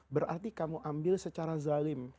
berarti kamu ambil secara zalim